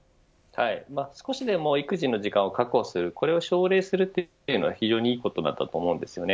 少しでも育児の時間を確保するこれを奨励するというのは非常にいいことだと思います。